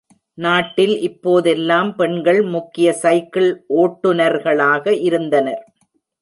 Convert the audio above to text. நாட்டில் இப்போதெல்லாம் பெண்கள் முக்கிய சைக்கிள் ஓட்டுநர்களாக இருந்தனர்.